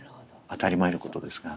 当たり前のことですが。